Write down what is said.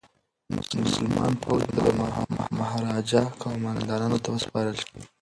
مسلمان فوج به د مهاراجا قوماندانانو ته وسپارل شي.